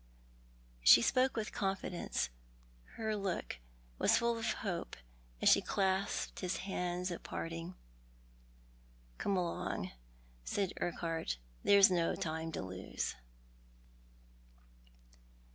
She spoke witli confidence. Her look was full of hope as sue clasped his hand at i^arting. " Come along," said Urquhart, " there's no time to lose."